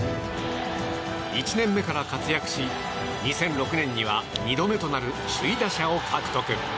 １年目から活躍し２００６年には２度目となる首位打者を獲得。